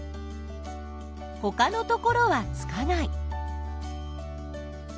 ほかのところはつかない。